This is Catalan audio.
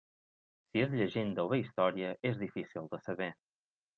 Si és llegenda o bé història, és difícil de saber.